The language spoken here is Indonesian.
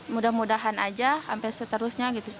mudah mudahan aja hampir seterusnya gitu